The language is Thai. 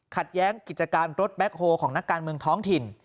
แย้งกิจการรถแบ็คโฮของนักการเมืองท้องถิ่น